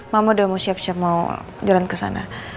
mama udah siap siap mau jalan kesana